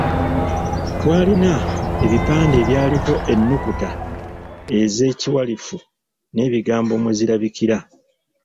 Twalina ebipande ebyaliko ennukuta ez’ekiwalifu n'ebigambo mwe zirabikira.